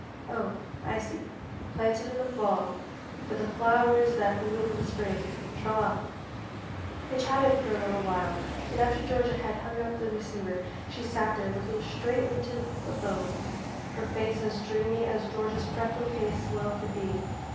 "Oh I see; planted in the fall but the flowers that bloom in the spring tra la." They chatted for a little while and after Georgia had hung up the receiver she sat there looking straight into the phone her face as dreamy as Georgia's freckled face well could be.